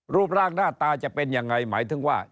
รูปร่างหน้าตาจะเป็นยังไงหมายถึงว่า